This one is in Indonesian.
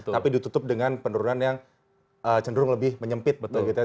tapi ditutup dengan penurunan yang cenderung lebih menyempit betul gitu ya